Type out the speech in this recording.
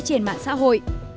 trên mạng xã hội